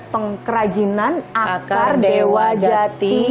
pengkerajinan akar dewa jati